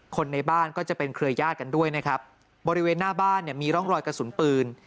คนในบ้านก็จะเป็นเครือญาติกันด้วยนะครับบริเวณหน้าบ้านเนี่ยมีร่องรอยกระสุนปืน